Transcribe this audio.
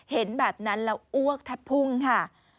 เห็นแบบนั้นแล้วอ้วกแทบพุ่งค่ะ